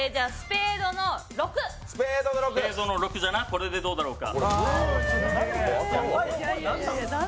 これでどうだろうか。